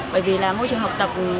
bởi vì là môi trường học tập